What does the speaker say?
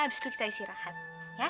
abis itu kita istirahat ya